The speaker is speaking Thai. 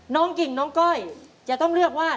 กิ่งน้องก้อยจะต้องเลือกว่า